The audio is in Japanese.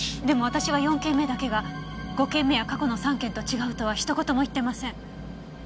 でも私は４件目だけが５件目や過去の３件と違うとは一言も言ってません。